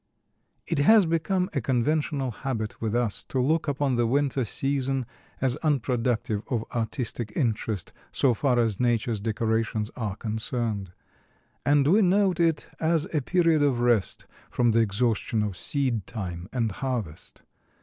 It has become a conventional habit with us to look upon the winter season as unproductive of artistic interest so far as Nature's decorations are concerned. And we note it as a period of rest from the exhaustion of seed time and harvest.